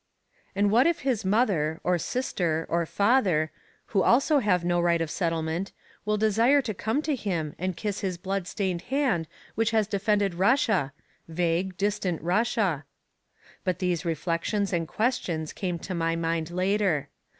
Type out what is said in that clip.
And what if his mother, or sister, or father, who also have no right of settlement, will desire to come to him and kiss his bloodstained hand which has defended Russia vague, distant Russia? But these reflections and questions came to my mind later.